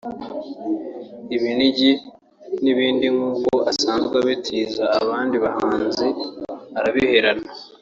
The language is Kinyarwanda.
ibinigi n’ibindi nk’uko asanzwe abitiza n’abandi bahanzi arabiherana